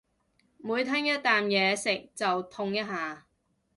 每吞一啖嘢食就痛一下